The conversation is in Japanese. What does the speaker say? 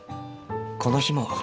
この日も。